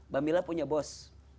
mbak mila punya bos